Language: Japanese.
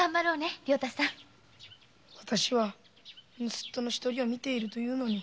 わたしは盗っ人の一人を見ているというのに。